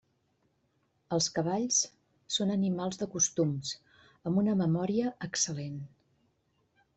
Els cavalls són animals de costums amb una memòria excel·lent.